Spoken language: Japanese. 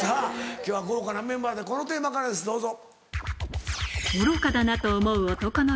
今日は豪華なメンバーでこのテーマからですどうぞ。